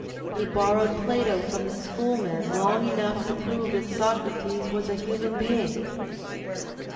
He borrowed Plato from the schoolmen long enough to prove that Socrates was a human being.